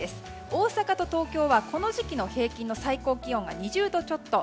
大阪と東京はこの時期の平均の最高気温が２０度ちょっと。